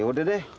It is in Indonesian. ya udah deh